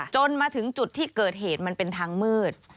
จนมาถึงจุดที่เกิดเหตุมันเป็นทางมืด